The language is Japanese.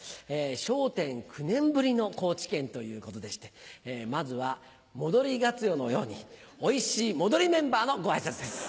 『笑点』９年ぶりの高知県ということでしてまずは戻りガツオのようにおいしい戻りメンバーのご挨拶です。